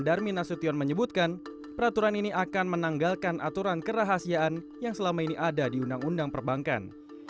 darmin nasution menyebutkan peraturan ini akan menanggalkan aturan kerahasiaan yang selama ini ada di undang undang perbankan